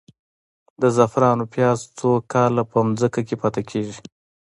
د زعفرانو پیاز څو کاله په ځمکه کې پاتې کیږي؟